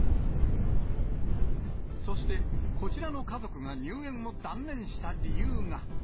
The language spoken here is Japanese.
そして、こちらの家族が入園を断念した理由が。